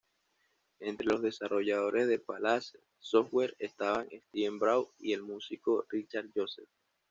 Entre los desarrolladores de Palace Software estaban Steve Brown y el músico Richard Joseph.